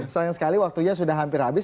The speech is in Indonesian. sayang sekali waktunya sudah hampir habis